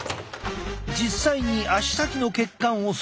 実際に足先の血管を測定。